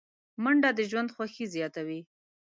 منډه د ژوند خوښي زیاتوي